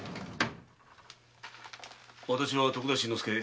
私は徳田新之助。